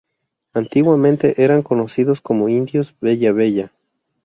Antiguamente eran conocidos como indios bella bella.